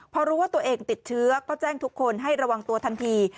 พอรู้ว่าตัวเองติดเชื้อก็แจ้งทุกคนให้ระวังตัวทันที